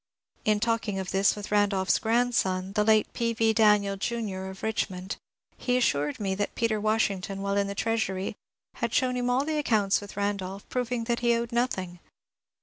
In talking of this with Randolph's grandson, the late P. V. Daniel Jr. of Richmond, he assured me that Peter Washington, while in the Treasury, had shown him all the accounts with Randolph, proving that he owed nothing.